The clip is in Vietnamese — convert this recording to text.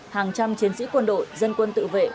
hàng trăm chiến sĩ quân đội dân quân tự vệ